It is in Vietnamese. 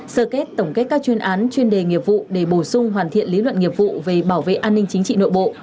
sơ kết tổng kết các chuyên án chuyên đề nghiệp vụ để bổ sung hoàn thiện lý luận nghiệp vụ về bảo vệ an ninh chính trị nội bộ